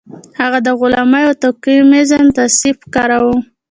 هغه د غلامۍ او توکميز تعصب ښکار و.